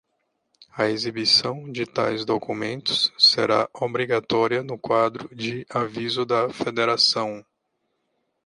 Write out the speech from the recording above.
A exibição de tais documentos será obrigatória no quadro de avisos da federação.